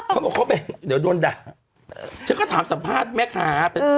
เขาต้องเราไปเดี๋ยวมานด่ะเอ่อฉันก็ถามสัมภาษณ์แม่ค้าเออ